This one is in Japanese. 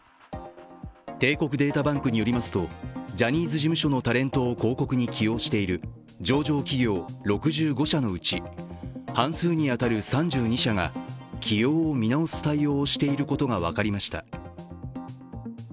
帝国データバンクによりますとジャニーズ事務所のタレントを広告に起用している上場企業６５社のうち半数に当たる３２社が起用を見直す対応をしていることが分かりました。